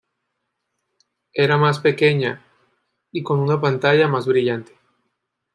Era más pequeña y con una pantalla más brillante.